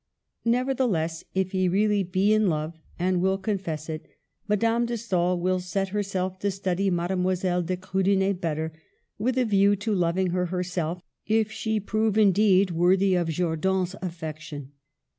Nevertheless, if he really be in love, and will con fess it, Madame de Stael will set herself to study Mademoiselle de Krudener better, with a view to loving her herself if she prove indeed worthy of Jordan's affection.